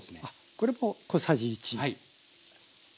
これも小さじ１。